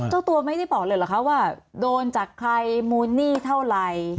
เจ้าตัวไม่ได้บอกเลยเหรอคะว่าโดนจากใครมูลหนี้เท่าไหร่